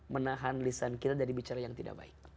menahan lisan kita dari bicara yang tidak baik